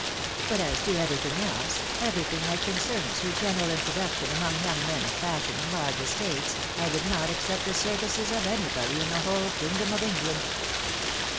But as to everything else, everything that concerns her general introduction among young men of fashion and large estates, I would not accept the services of anybody in the whole kingdom of England